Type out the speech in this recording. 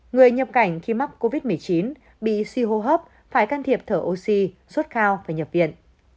người nhập cảnh khi mắc covid một mươi chín bị si hô hấp phải can thiệp thở oxy suốt khao và nhập viện